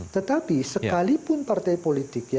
tetapi sekalipun partai politik